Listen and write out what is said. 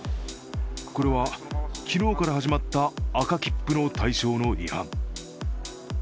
これは昨日から始まった赤切符の対象の違反。